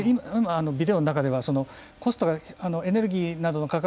ビデオの中ではコストがエネルギーなどの価格